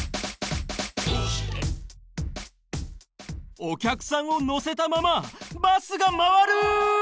おきゃくさんをのせたままバスがまわる！